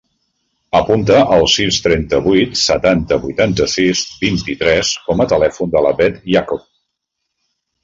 Apunta el sis, trenta-vuit, setanta, vuitanta-sis, vint-i-tres com a telèfon de la Beth Iacob.